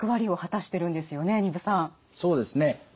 そうですね。